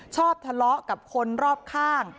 ชอบทะเลาะกับคนรอบข้าง